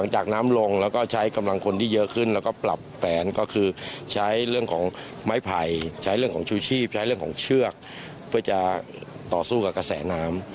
ใช้เรื่องของชูชีพใช้เรื่องของเชือกเพื่อจะต่อสู้กับกระแสน้ำ